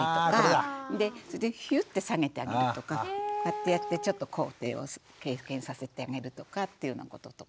あこれだ！でヒュッて下げてあげるとかこうやってやってちょっと高低を経験させてあげるとかっていうようなこととか。